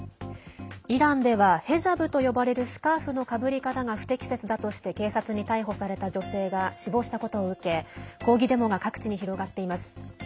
イランではヘジャブと呼ばれるスカーフのかぶり方が不適切だとして警察に逮捕された女性が死亡したことを受け抗議デモが各地に広がっています。